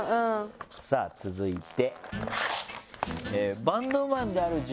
さぁ続いて。